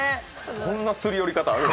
こんなすり寄り方、あるん？